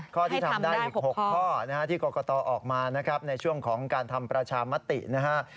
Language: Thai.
ข้อที่ทำได้อีก๖ข้อนะฮะที่กรกตออกมานะครับในช่วงของการทำประชามตินะฮะ